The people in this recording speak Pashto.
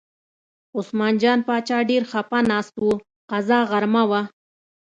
عثمان جان باچا ډېر خپه ناست و، قضا غرمه وه.